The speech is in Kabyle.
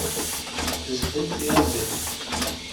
Tezdel tyaẓiḍt.